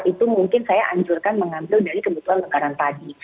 itu mungkin saya anjurkan mengambil dari kebutuhan makanan tadi